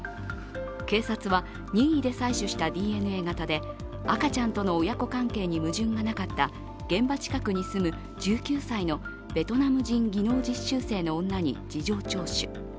警察は任意で採取したＤＮＡ型で赤ちゃんとの親子関係に矛盾がなかった現場近くに住む１９歳のベトナム人技能実習生の女に事情聴取。